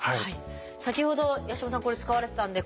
先ほど八嶋さんこれ使われてたんで。